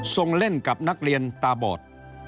ส่งเล่นกับนักเรียนตาบอด